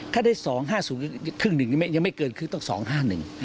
ถ้าได้๒๕๐ครึ่งหนึ่งยังไม่เกินครึ่งต้อง๒๕๑